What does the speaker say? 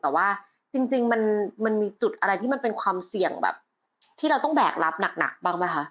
แต่ว่าจริงมันมีจุดอะไรที่มันเป็นความเสี่ยงแบบที่เราต้องแบกรับหนักบ้างไหมคะ